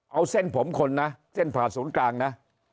เอาเส้นผมคนนะเส้นผ่าศูนย์กลางนะ